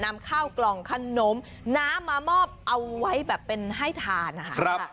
นำข้าวกล่องขนมน้ำมามอบเอาไว้แบบเป็นให้ทานนะคะ